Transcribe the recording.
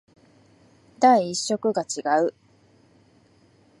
第一色が違う